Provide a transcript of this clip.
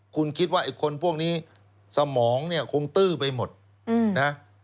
คุณคิดว่าคนพวกนี้สมองคงตื้อไปหมดนะ